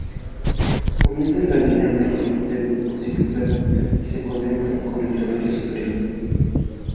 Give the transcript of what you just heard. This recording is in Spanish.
Comienza en la línea media del occipital y se conecta con el trapecio superior.